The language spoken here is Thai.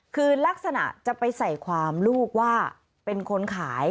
คือลักษณะจะไปใส่ความลูกว่าเป็นคนขาย